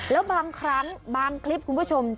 แล้วบางครั้งบางคลิปคุณผู้ชม